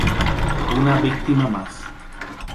Una víctima más.